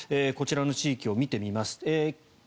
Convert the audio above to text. こちらの地域を見てみます。